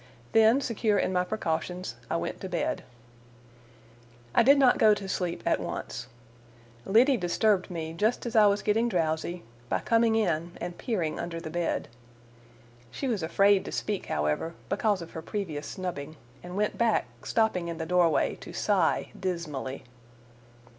Then, secure in my precautions, I went to bed. I did not go to sleep at once. Liddy disturbed me just as I was growing drowsy, by coming in and peering under the bed. She was afraid to speak, however, because of her previous snubbing, and went back, stopping in the doorway to sigh dismally.